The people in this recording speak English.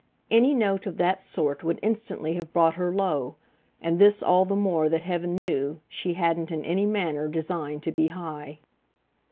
any note of that sort would instantly have brought her low and this all the more that heaven knew she hadn't in any manner designed to be high.